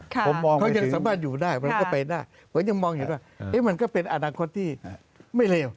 เขายังสามารถอยู่ได้มันก็เป็นได้ผมยังมองเห็นว่ามันก็เป็นอนาคตที่ไม่เลว